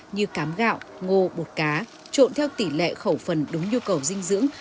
như cám gạo ngô bột cá trộn theo tỷ lệ khẩu phần đúng nhu cầu dinh dưỡng